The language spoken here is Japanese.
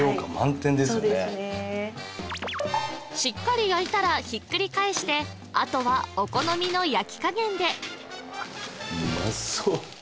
しっかり焼いたらひっくり返してあとはお好みの焼き加減でうまそ！